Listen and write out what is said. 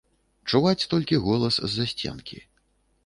Чуваць толькі голас з-за сценкі.